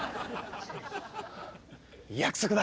約束だ！